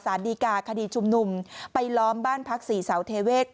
ศาลดีกาคดีชุมนุมไปล้อมบ้านพรรค๔สาวเทเวช